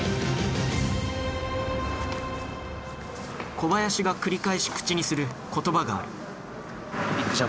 小林が繰り返し口にする言葉がある。